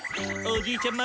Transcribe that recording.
おじいちゃん